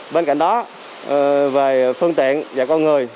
bên cạnh đó về phương tiện và con người